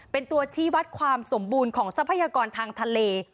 เป็นตัวชี้วัดความสมบูรณ์ของทรัพยากรทางทะเล